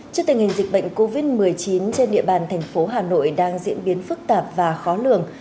trước tình hình dịch bệnh covid một mươi chín trên địa bàn thành phố hà nội đang diễn biến phức tạp và khó lường